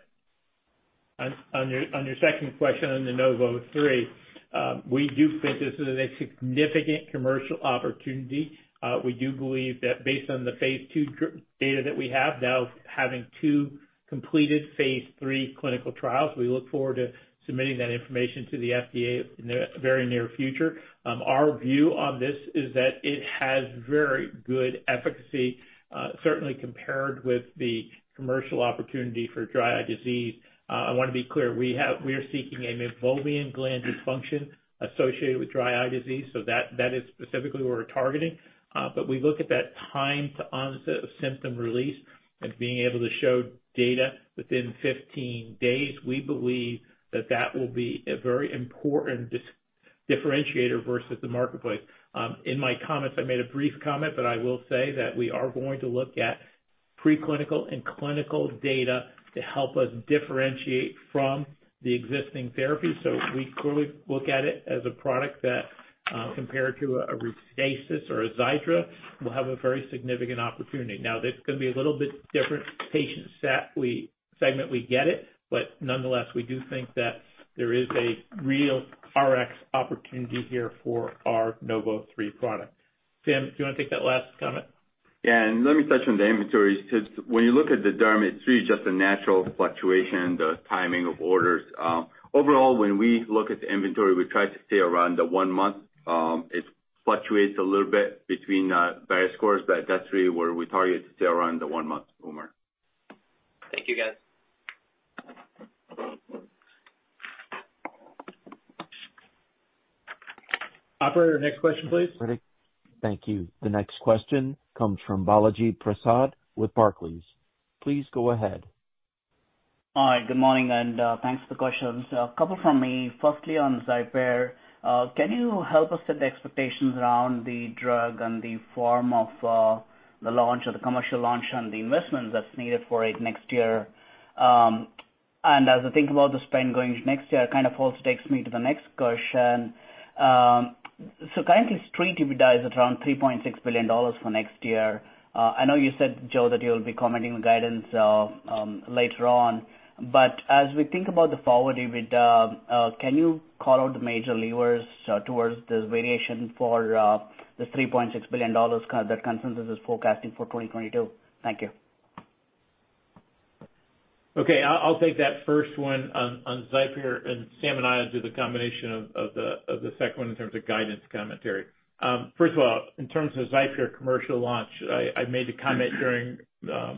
[SPEAKER 3] On your second question on the NOV03, we do think this is a significant commercial opportunity. We do believe that based on the phase II data that we have now having two completed phase III clinical trials, we look forward to submitting that information to the FDA in the very near future. Our view on this is that it has very good efficacy, certainly compared with the commercial opportunity for dry eye disease. I wanna be clear, we are seeking a Meibomian Gland Dysfunction associated with dry eye disease, so that is specifically what we're targeting. We look at that time to onset of symptom release and being able to show data within 15 days, we believe that will be a very important differentiator versus the marketplace. In my comments, I made a brief comment, but I will say that we are going to look at pre-clinical and clinical data to help us differentiate from the existing therapy. We clearly look at it as a product that, compared to a RESTASIS or a Xiidra, will have a very significant opportunity. Now, that's gonna be a little bit different patient set. Segment. We get it. But nonetheless, we do think that there is a real Rx opportunity here for our NOV03 product. Sam, do you wanna take that last comment?
[SPEAKER 4] Yeah. Let me touch on the inventory. When you look at the derm, it's really just a natural fluctuation, the timing of orders. Overall, when we look at the inventory, we try to stay around the one month. It fluctuates a little bit between by sources, but that's really where we target to stay around the one month, Umer.
[SPEAKER 11] Thank you, guys.
[SPEAKER 3] Operator, next question, please.
[SPEAKER 1] Thank you. The next question comes from Balaji Prasad with Barclays. Please go ahead.
[SPEAKER 12] Hi. Good morning, and, thanks for the questions. A couple from me. Firstly, on XIPERE, can you help us set the expectations around the drug and the form of, the launch or the commercial launch and the investments that's needed for it next year? And as I think about the spend going next year, it kind of also takes me to the next question. So currently Street EBITDA is around $3.6 billion for next year. I know you said, Joe, that you'll be commenting the guidance, later on. But as we think about the forward EBITDA, can you call out the major levers, towards this variation for, the $3.6 billion that consensus is forecasting for 2022? Thank you.
[SPEAKER 3] Okay. I'll take that first one on XIPERE, and Sam and I will do the combination of the second one in terms of guidance commentary. First of all, in terms of XIPERE commercial launch, I made a comment during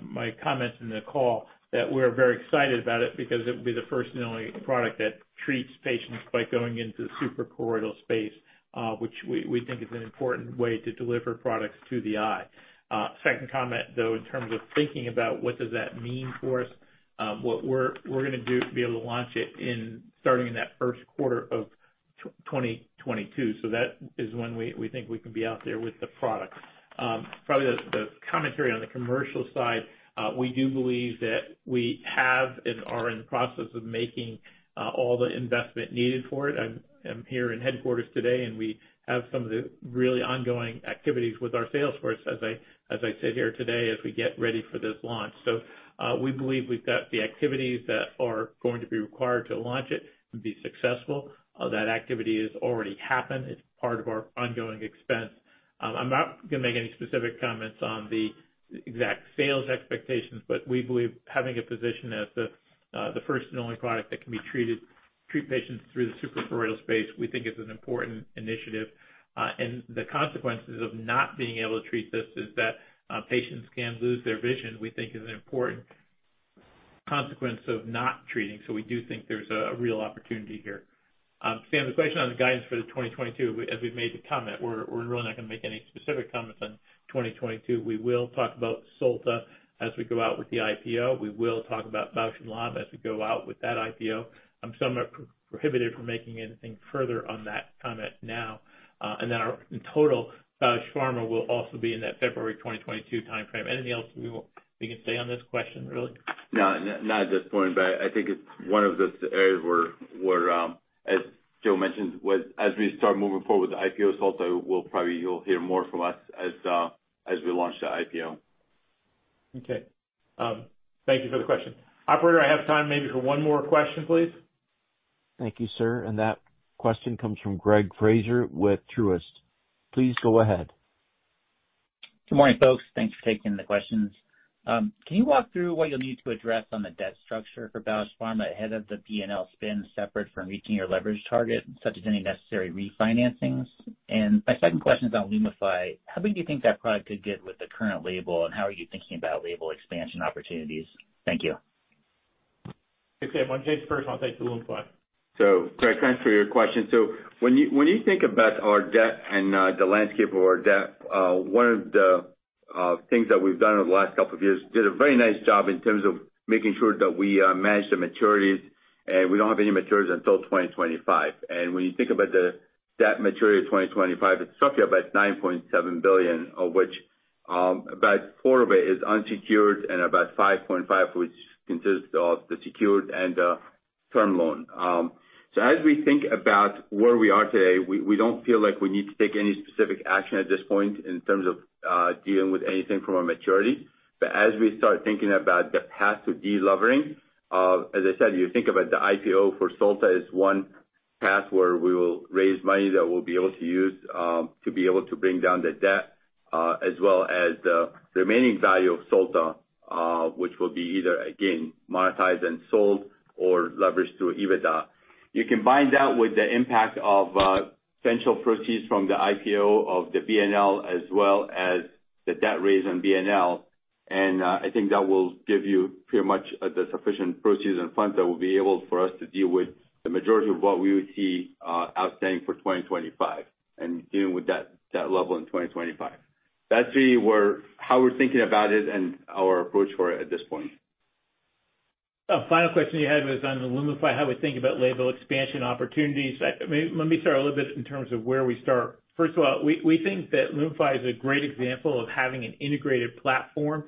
[SPEAKER 3] my comments in the call that we're very excited about it because it will be the first and only product that treats patients by going into the suprachoroidal space, which we think is an important way to deliver products to the eye. Second comment, though, in terms of thinking about what does that mean for us, what we're gonna do to be able to launch it starting in that Q1 of 2022. That is when we think we can be out there with the product. Probably the commentary on the commercial side, we do believe that we have and are in the process of making all the investment needed for it. I'm here in headquarters today, and we have some of the really ongoing activities with our sales force, as I sit here today, as we get ready for this launch. We believe we've got the activities that are going to be required to launch it and be successful. That activity has already happened. It's part of our ongoing expense. I'm not gonna make any specific comments on the exact sales expectations, but we believe having a position as the first and only product that can treat patients through the suprachoroidal space, we think is an important initiative. The consequences of not being able to treat this is that patients can lose their vision, we think is an important consequence of not treating. We do think there's a real opportunity here. Sam, the question on the guidance for the 2022, as we've made the comment, we're really not gonna make any specific comments on 2022. We will talk about Solta as we go out with the IPO. We will talk about Bausch + Lomb as we go out with that IPO. I'm prohibited from making anything further on that comment now. Then our total pharma will also be in that February 2022 timeframe. Anything else we can say on this question, really?
[SPEAKER 4] No, not at this point, but I think it's one of the areas where, as Joe mentioned, as we start moving forward with the IPO of Solta, you'll hear more from us as we launch the IPO.
[SPEAKER 3] Okay. Thank you for the question. Operator, I have time maybe for one more question, please.
[SPEAKER 1] Thank you, sir. That question comes from Greg Fraser with Truist. Please go ahead.
[SPEAKER 13] Good morning, folks. Thanks for taking the questions. Can you walk through what you'll need to address on the debt structure for Bausch Pharma ahead of the B+L spin separate from reaching your leverage target, such as any necessary refinancings? My second question is on LUMIFY. How big do you think that product could get with the current label, and how are you thinking about label expansion opportunities? Thank you.
[SPEAKER 3] Okay. Well, Sam, take the first. I want to take the LUMIFY.
[SPEAKER 4] So, Greg, thanks for your question. When you think about our debt and the landscape of our debt, one of the things that we've done over the last couple of years did a very nice job in terms of making sure that we manage the maturities, and we don't have any maturities until 2025. When you think about the debt maturity of 2025, it's roughly about $9.7 billion, of which about $4 billion of it is unsecured and about $5.5 billion, which consists of the secured term loan. As we think about where we are today, we don't feel like we need to take any specific action at this point in terms of dealing with anything from a maturity. As we start thinking about the path to delevering, as I said, you think about the IPO for Solta is one path where we will raise money that we'll be able to use to be able to bring down the debt, as well as the remaining value of Solta, which will be either again, monetized and sold or leveraged through EBITDA. You combine that with the impact of potential proceeds from the IPO of the B+L as well as the debt raise on B+L, and I think that will give you pretty much the sufficient proceeds and funds that will be able for us to deal with the majority of what we would see outstanding for 2025 and dealing with that level in 2025. That's really how we're thinking about it and our approach for it at this point.
[SPEAKER 3] Final question you had was on the LUMIFY, how we think about label expansion opportunities. Let me start a little bit in terms of where we start. First of all, we think that LUMIFY is a great example of having an integrated platform,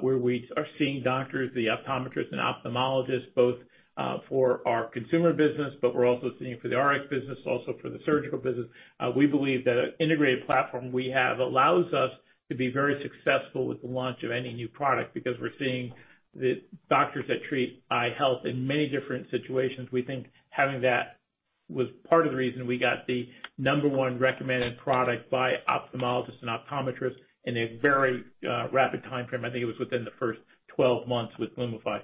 [SPEAKER 3] where we are seeing doctors, the optometrists and ophthalmologists, both, for our consumer business, but we're also seeing it for the Rx business, also for the surgical business. We believe that an integrated platform we have allows us to be very successful with the launch of any new product because we're seeing the doctors that treat eye health in many different situations. We think having that was part of the reason we got the number one recommended product by ophthalmologists and optometrists in a very rapid timeframe. I think it was within the first 12 months with LUMIFY.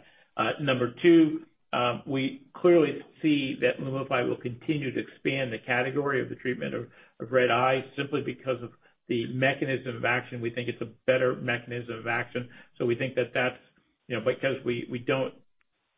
[SPEAKER 3] Number two, we clearly see that LUMIFY will continue to expand the category of the treatment of red eyes simply because of the mechanism of action. We think it's a better mechanism of action. We think that that's, you know, because we don't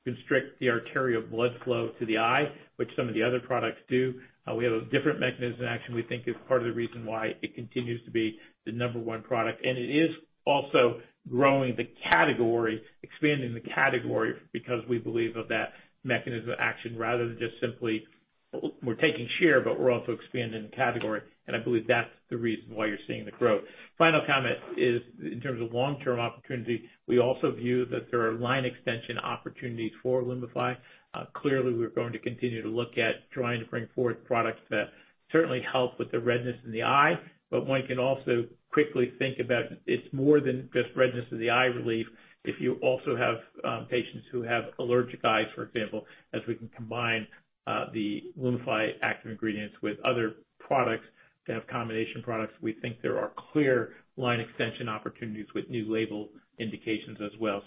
[SPEAKER 3] constrict the arterial blood flow to the eye, which some of the other products do. We have a different mechanism of action we think is part of the reason why it continues to be the number 1 product. It is also growing the category, expanding the category because we believe of that mechanism of action rather than just simply we're taking share, but we're also expanding the category. I believe that's the reason why you're seeing the growth. Final comment is in terms of long-term opportunity, we also view that there are line extension opportunities for LUMIFY. Clearly, we're going to continue to look at trying to bring forward products that certainly help with the redness in the eye. One can also quickly think about it's more than just redness of the eye relief if you also have patients who have allergic eyes, for example, as we can combine the LUMIFY active ingredients with other products to have combination products. We think there are clear line extension opportunities with new label indications as well.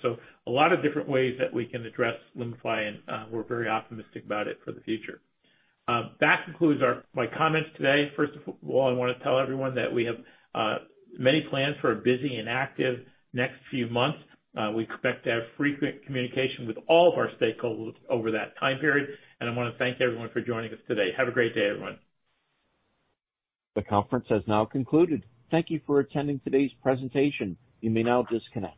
[SPEAKER 3] A lot of different ways that we can address LUMIFY, and we're very optimistic about it for the future. That concludes my comments today. First of all, I wanna tell everyone that we have many plans for a busy and active next few months. We expect to have frequent communication with all of our stakeholders over that time period, and I wanna thank everyone for joining us today. Have a great day, everyone.
[SPEAKER 1] The conference has now concluded. Thank you for attending today's presentation. You may now disconnect.